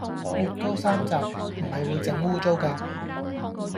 捋高衫袖唔係會整污穢㗎